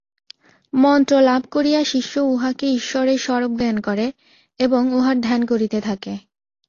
মন্ত্র লাভ করিয়া শিষ্য উহাকে ঈশ্বরের স্বরূপ জ্ঞান করে এবং উহার ধ্যান করিতে থাকে।